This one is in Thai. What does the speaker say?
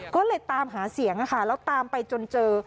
ก็เลยตามหาเสียงแล้วตามไปจนเจอ